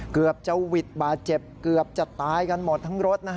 เกือบจะหวิดบาดเจ็บเกือบจะตายกันหมดทั้งรถ